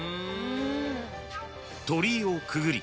［鳥居をくぐり